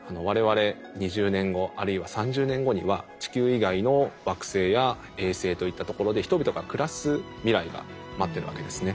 我々２０年後あるいは３０年後には地球以外の惑星や衛星といったところで人々が暮らす未来が待ってるわけですね。